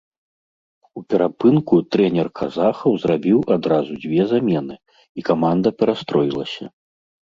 У перапынку трэнер казахаў зрабіў адразу дзве замены, і каманда перастроілася.